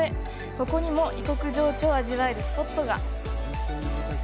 ここにも異国情緒を味わえるスポットが。